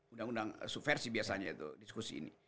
undang undang subversi biasanya itu diskusi ini